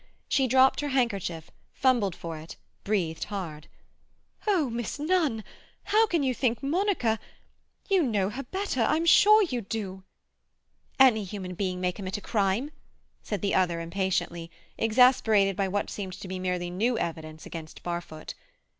She dropped her handkerchief, fumbled for it, breathed hard. "Oh, Miss Nunn! How can you think Monica—? You know her better; I'm sure you do!" "Any human being may commit a crime," said the other impatiently, exasperated by what seemed to be merely new evidence against Barfoot.